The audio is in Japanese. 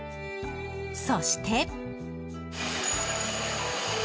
そして。